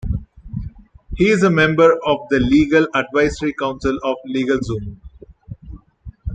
He is a member of the Legal Advisory Council of LegalZoom.